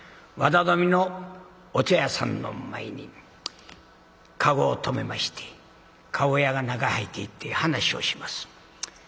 綿富のお茶屋さんの前に駕籠を止めまして駕籠屋が中へ入っていって話をします。